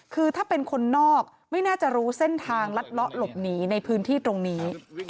คือถ้าเป็นคนนอกไม่น่าจะรู้เส้นทางลัดเลาะหลบหนีในพื้นที่ตรงนี้